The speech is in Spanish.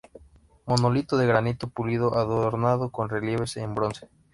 Monolito de granito pulido adornado con relieves en bronce.